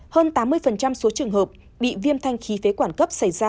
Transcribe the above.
hơn tám mươi số trường hợp bị viêm thanh khí phế quản cấp xảy ra